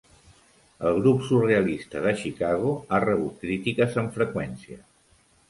El grup surrealista de Chicago ha rebut crítiques amb freqüència.